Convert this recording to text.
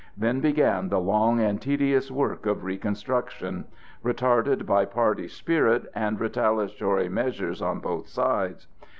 Then began the long and tedious work of reconstruction, retarded by party spirit and retaliatory measures on both sides.